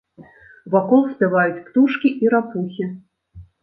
Вакол спяваюць птушкі і рапухі.